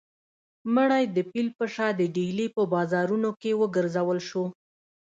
مړی د پیل په شا د ډیلي په بازارونو کې وګرځول شو.